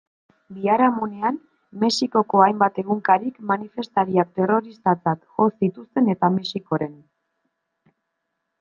Biharamunean, Mexikoko hainbat egunkarik manifestariak terroristatzat jo zituzten eta Mexikoren.